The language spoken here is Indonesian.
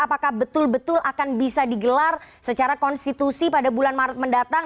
apakah betul betul akan bisa digelar secara konstitusi pada bulan maret mendatang